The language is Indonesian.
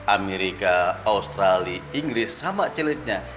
amerika australia inggris sama challenge nya